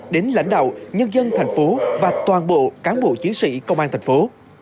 đến lãnh đạo nhân dân thành phố và toàn bộ cán bộ chiến sĩ công an thành phố